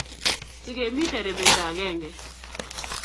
Tigemite rebendo agenge